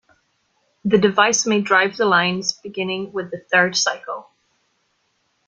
The device may drive the lines beginning with the third cycle.